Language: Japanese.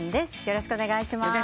よろしくお願いします。